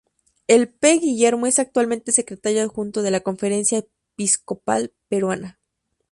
El P. Guillermo es actualmente secretario adjunto de la Conferencia Episcopal Peruana.